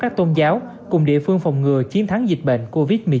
các tôn giáo cùng địa phương phòng ngừa chiến thắng dịch bệnh covid một mươi chín